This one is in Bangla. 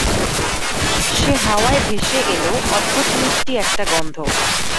সে হাওয়ায় ভেসে এল অদ্ভুত মিষ্টি একটা গন্ধ।